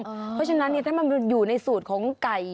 เพราะฉะนั้นถ้ามันอยู่ในสูตรของไก่